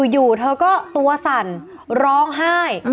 อยู่เธอก็ตัวสั่นร้องไห้